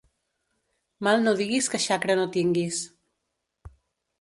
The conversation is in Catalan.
Mal no diguis que xacra no tinguis.